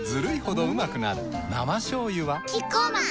生しょうゆはキッコーマン